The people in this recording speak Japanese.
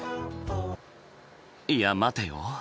いや待てよ。